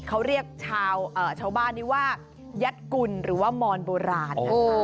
เขาเรียกชาวบ้านนี้ว่ายัดกุลหรือว่ามอนโบราณนะคะ